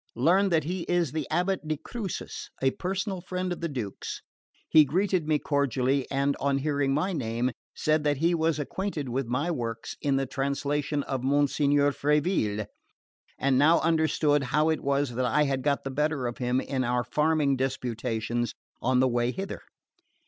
Learned that he is the abate de Crucis, a personal friend of the Duke's. He greeted me cordially, and on hearing my name, said that he was acquainted with my works in the translation of Mons. Freville, and now understood how it was that I had got the better of him in our farming disputations on the way hither.